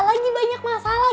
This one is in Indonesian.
lagi banyak masalah